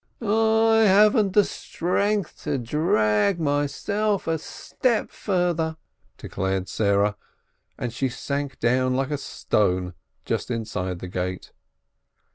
"I haven't the strength to drag myself a step further," declared Sarah, and she sank down like a stone just inside the gate.